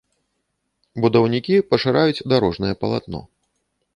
Будаўнікі пашыраюць дарожнае палатно.